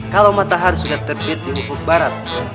kalau matahari sudah terbit di lumpur barat